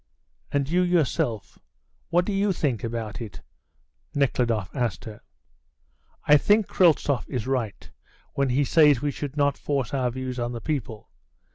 "And you yourself, what do you think about it?" Nekhludoff asked her. "I think Kryltzoff is right when he says we should not force our views on the people."